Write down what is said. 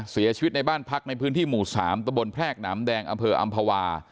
เสียชีวิตในบ้านพักในพื้นที่หมู่๓ตะบนแพรกหนามแดงอำเภออำภาวา